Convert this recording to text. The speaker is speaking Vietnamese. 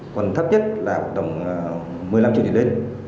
còn thấp nhất là tầm một mươi năm triệu điểm lên